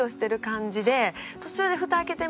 途中で。